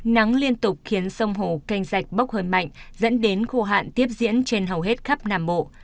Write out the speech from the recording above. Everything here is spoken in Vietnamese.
nắng liên tục khiến sông hồ canh rạch bốc hơi mạnh dẫn đến khô hạn tiếp diễn trên hầu hết khắp nam bộ